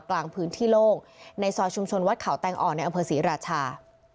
กลางพื้นที่โล่งในซอยชุมชนวัดเขาแตงอ่อนในอำเภอศรีราชา